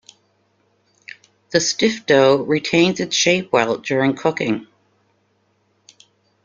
The stiff dough retains its shape well during cooking.